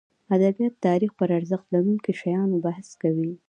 ادبیات تاریخ پرارزښت لرونکو شیانو بحث کوي.